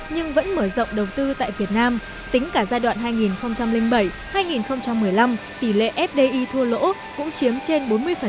nhưng vẫn mở rộng đầu tư tại việt nam tính cả giai đoạn hai nghìn bảy hai nghìn một mươi năm tỷ lệ fdi thua lỗ cũng chiếm trên bốn mươi